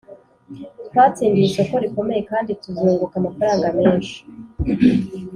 Twatsindiye isoko rikomeye kandi tuzunguka amafaranga menshi